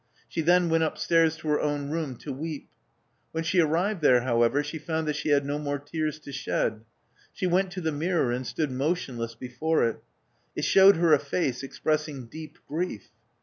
She then went upstairs to her own room to weep. When she arrived there, however, she found that she had no more tears to shed. She went to the mirror, and stood motion less before it. It showed her a face expressing deep grief.